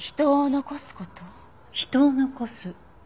人を残す？